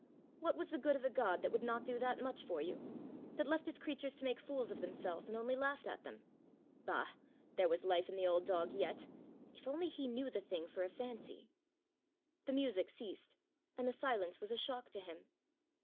What was the good of a God that would not do that much for you that left his creatures to make fools of themselves, and only laughed at them! Bah! There was life in the old dog yet! If only he knew the thing for a fancy! The music ceased, and the silence was a shock to him.